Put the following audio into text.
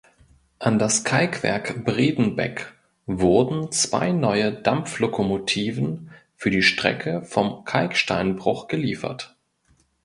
An das Kalkwerk Bredenbeck wurden zwei neue Dampflokomotiven für die Strecke vom Kalksteinbruch geliefert.